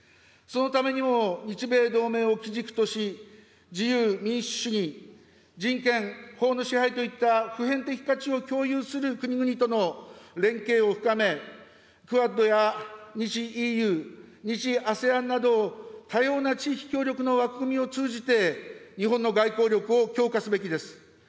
そのためにも、日米同盟を基軸とし、自由・民主主義、人権、法の支配といった普遍的価値を共有する国々との連携を深め、ＱＵＡＤや日・ＥＵ、日・ＡＳＥＡＮなど、多様な地域協力の枠組みを通じて、日本の外交力を強化すべきです。